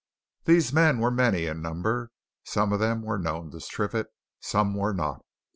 These men were many in number; some of them were known to Triffitt, some were not.